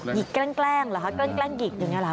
แกล้งเหรอคะแกล้งหยิกอย่างนี้เหรอ